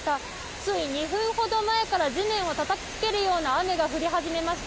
つい２分ほど前から、地面をたたきつけるような雨が降り始めました。